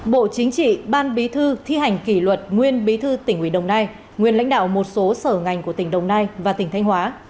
bộ chính trị ban bí thư thi hành kỷ luật nguyên bí thư tỉnh ủy đồng nai nguyên lãnh đạo một số sở ngành của tỉnh đồng nai và tỉnh thanh hóa